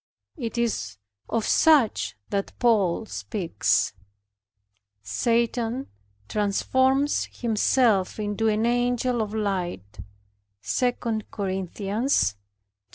It is of such that Paul speaks, "Satan transforms himself into an angel of light," II Cor.